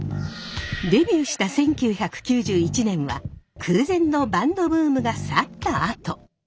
デビューした１９９１年は空前のバンドブームが去ったあと。